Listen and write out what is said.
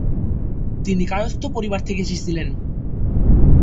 তিনি কায়স্থ পরিবার থেকে এসেছিলেন।